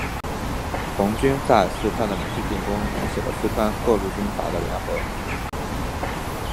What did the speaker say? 红军在四川的连续进攻引起了四川各路军阀的联合。